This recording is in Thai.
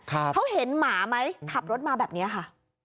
เขาเห็นหมาไหมขับรถมาแบบเนี้ยค่ะ